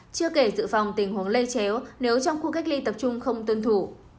chưa kể dự phòng tình huống lây chéo nếu trong khu cách ly tập trung không tuân thủ